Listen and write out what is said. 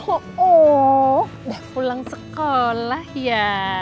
udah pulang sekolah ya